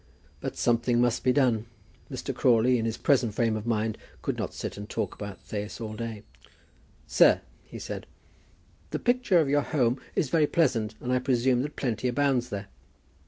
But something must be done. Mr. Crawley, in his present frame of mind, could not sit and talk about Thais all day. "Sir," he said, "the picture of your home is very pleasant, and I presume that plenty abounds there."